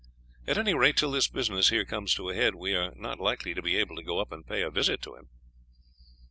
At any rate, till this business here comes to a head, we are not likely to be able to go up and pay a visit to him."